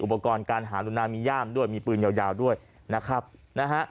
อุปกรณ์การหารุณามีย่ามด้วยมีปืนยาวด้วยนะครับนะฮะ